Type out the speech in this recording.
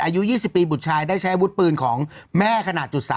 อายุ๒๐ปีบุตรชายได้ใช้อาวุธปืนของแม่ขนาด๓